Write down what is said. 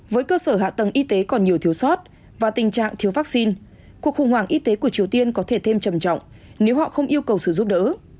với cơ sở hạ tầng y tế còn nhiều thiếu sót và tình trạng thiếu vaccine cuộc khủng hoảng y tế của triều tiên có thể thêm trầm trọng nếu họ không yêu cầu sự giúp đỡ